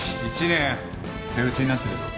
１年手打ちになってるぞ。